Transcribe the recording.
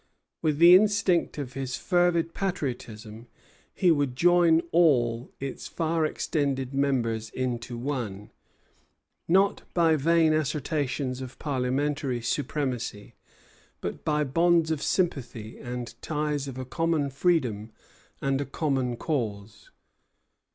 With the instinct of his fervid patriotism he would join all its far extended members into one, not by vain assertions of parliamentary supremacy, but by bonds of sympathy and ties of a common freedom and a common cause.